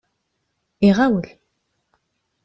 Iɣawel.